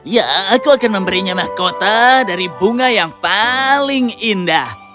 ya aku akan memberinya mahkota dari bunga yang paling indah